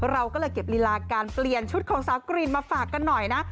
เราก็เลยเก็บลีลาการเปลี่ยนชุดของสาวกรีนมาฝากกันหน่อยนะ